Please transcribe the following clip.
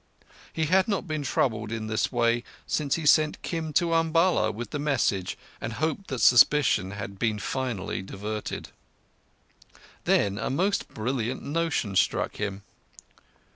He had not been troubled in this way since he sent Kim to Umballa with the message, and hoped that suspicion had been finally diverted. Then a most brilliant notion struck him.